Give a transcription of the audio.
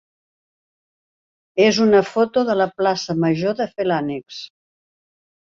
és una foto de la plaça major de Felanitx.